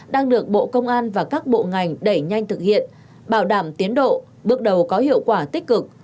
đang được bộ công an và các bộ ngành đẩy nhanh thực hiện bảo đảm tiến độ bước đầu có hiệu quả tích cực